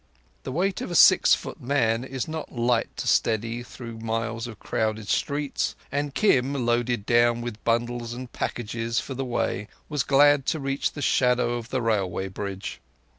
The weight of a six foot man is not light to steady through miles of crowded streets, and Kim, loaded down with bundles and packages for the way, was glad to reach the shadow of the railway bridge.